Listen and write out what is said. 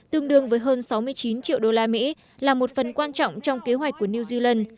tương đương với hơn sáu mươi chín triệu đô la mỹ là một phần quan trọng trong kế hoạch của new zealand